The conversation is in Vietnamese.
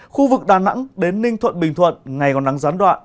khu vực đà nẵng đến ninh thuận bình thuận ngày còn nắng gián đoạn